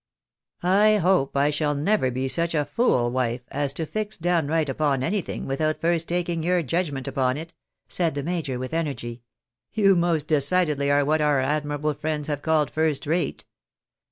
" I hope I shall never be such a fool, wife, as to fix downright upon anything without first taking your judgment upon it," said the major, with energy. " You most decidedly are what our admirable friends have called first rate.